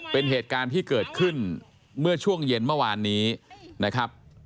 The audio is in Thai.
เป็นเหตุการณ์ที่เกิดขึ้นเมื่อช่วงเย็นเมื่อวานนี้นะครับ